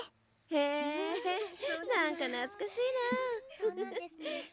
へえ何か懐かしいな。